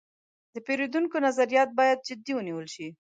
د پیرودونکو نظریات باید جدي ونیول شي.